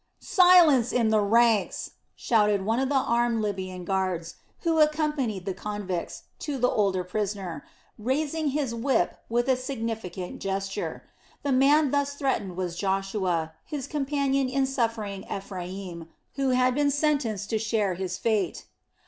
"Silence in the ranks!" shouted one of the armed Libyan guards, who accompanied the convicts, to the older prisoner, raising his whip with a significant gesture. The man thus threatened was Joshua, and his companion in suffering Ephraim, who had been sentenced to share his fate.